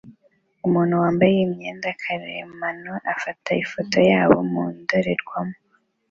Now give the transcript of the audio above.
Umuntu wambaye imyenda karemano afata ifoto yabo mu ndorerwamo